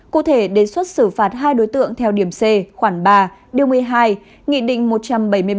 cụ thể đề xuất xử phạt hai đối tượng theo điểm c khoảng ba điều một mươi hai nghị định một trăm bảy mươi bảy